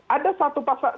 ada satu pasal